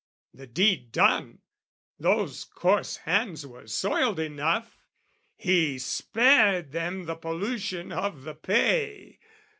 The deed done, those coarse hands were soiled enough, He spared them the pollution of the pay.